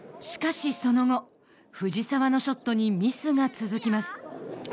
しかし、その後藤澤のショットにミスが続きます。